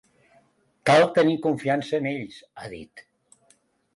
“Cal tenir confiança en ells”, ha dit.